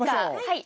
はい。